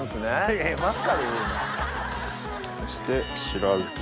そして。